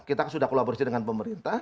kita sudah kolaborasi dengan pemerintah